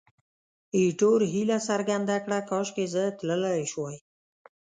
ایټور هیله څرګنده کړه، کاشکې زه تلای شوای.